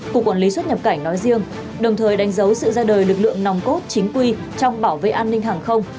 cục quản lý xuất nhập cảnh nói riêng đồng thời đánh dấu sự ra đời lực lượng nòng cốt chính quy trong bảo vệ an ninh hàng không